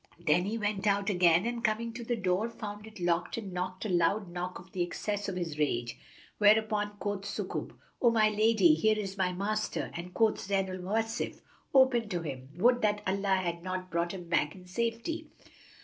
Then he went out again and coming to the door found it locked and knocked a loud knock of the excess of his rage; whereupon quoth Sukub, "O my lady, here is my master;" and quoth Zayn al Mawasif, "Open to him; would that Allah had not brought him back in safety!"